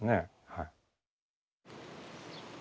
はい。